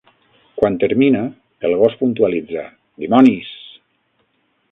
Quan termina, el gos puntualitza: "Dimonis!".